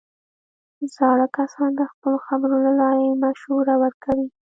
زاړه کسان د خپلو خبرو له لارې مشوره ورکوي